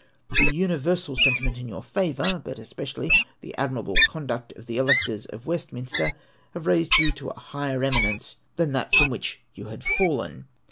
The universal sentiment in your favour, but especially the admirable conduct of the electors of West minster, have raised you to a higher eminence than that from which you had fallen.